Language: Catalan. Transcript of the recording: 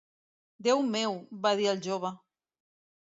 "Déu meu", va dir el jove.